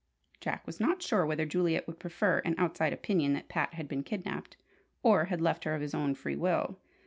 Jack was not sure whether Juliet would prefer an outside opinion that Pat had been kidnapped, or had left her of his own free will.